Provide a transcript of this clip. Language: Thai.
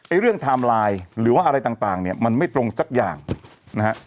เรื่องไทม์ไลน์หรือว่าอะไรต่างเนี่ยมันไม่ตรงสักอย่างนะฮะ